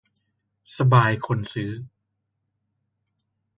สบายคนซื้อ